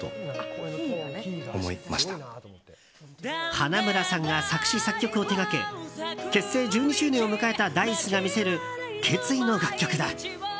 花村さんが作詞・作曲を手掛け結成１２周年を迎えたＤａ‐ｉＣＥが見せる決意の楽曲だ。